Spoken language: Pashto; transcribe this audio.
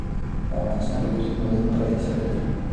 افغانستان د اوبزین معدنونه په اړه علمي څېړنې لري.